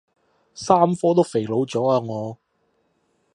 三科都肥佬咗啊我